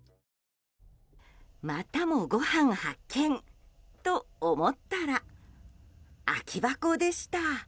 またも、ごはん発見。と思ったら、空き箱でした。